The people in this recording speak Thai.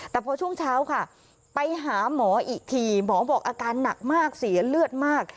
แต่พอช่วงเช้าค่ะไปหาหมออีกทีหมอบอกอาการหนักมากเสียเลือดมาก